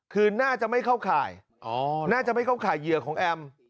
คือน่าจะไม่เข้าข่ายน่าจะไม่เข้าข่ายเหยื่อของแอม